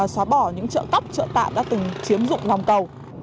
xóa bỏ những trợ tạm đã từng chiếm dụng lòng cầu